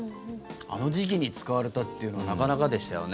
あの時期に使われたっていうのはなかなかでしたよね